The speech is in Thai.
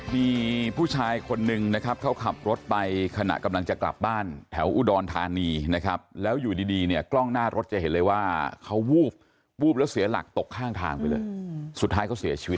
มีผู้ชายคนนึงนะครับเขาขับรถไปขณะกำลังจะกลับบ้านแถวอุดรธานีนะครับแล้วอยู่ดีเนี่ยกล้องหน้ารถจะเห็นเลยว่าเขาวูบวูบแล้วเสียหลักตกข้างทางไปเลยสุดท้ายเขาเสียชีวิต